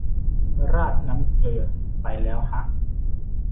ราดน้ำเกลือไปแล้วฮะ